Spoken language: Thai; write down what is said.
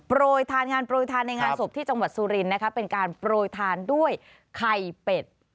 โรยทานงานโปรยทานในงานศพที่จังหวัดสุรินนะคะเป็นการโปรยทานด้วยไข่เป็ด